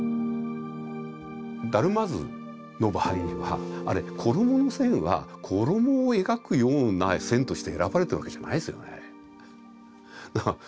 「達磨図」の場合にはあれ衣の線は衣を描くような線として選ばれたわけじゃないですよねあれ。